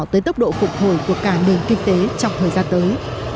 tới tốc độ phục hồi của cả nền kinh tế trong thời gian tới